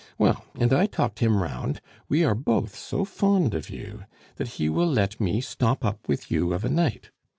Well, and I talked him round; we are both so fond of you, that he will let me stop up with you of a night.